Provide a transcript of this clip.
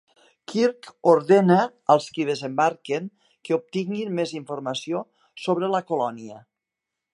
Kirk ordena als qui desembarquen que obtinguin més informació sobre la colònia.